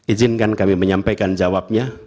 izinkan kami menyampaikan jawabnya